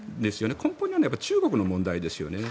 根本にあるのは中国の問題ですよね。